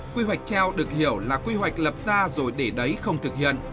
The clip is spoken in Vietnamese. quy hoạch treo được hiểu là quy hoạch lập ra rồi để đấy không thực hiện